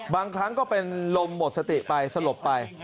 บางครั้งก็เป็นลมหมดสติไปสลบไป